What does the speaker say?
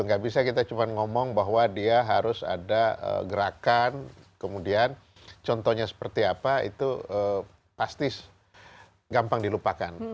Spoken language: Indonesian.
nggak bisa kita cuma ngomong bahwa dia harus ada gerakan kemudian contohnya seperti apa itu pasti gampang dilupakan